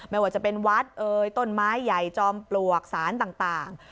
ไม่ว่าจะเป็นวัดเอ่ยต้นไม้ใหญ่จอมปลวกสารต่าง